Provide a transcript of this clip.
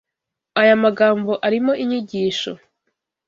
aya magambo arimo inyigisho